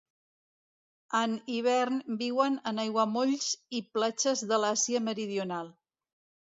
En hivern viuen en aiguamolls i platges de l'Àsia Meridional.